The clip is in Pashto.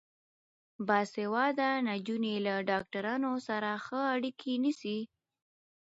باسواده نجونې له ډاکټرانو سره ښه اړیکه نیسي.